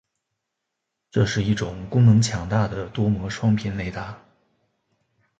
这是一种功能强大的多模双频雷达。